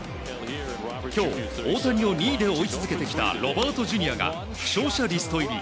今日、大谷を２位で追い続けてきたロバートＪｒ．が負傷者リスト入り。